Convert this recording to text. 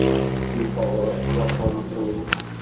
কী রকম, শুনি।